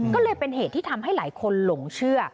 ก็เลยเป็นเหตุที่ทำให้หลายคนหลงเชื่อ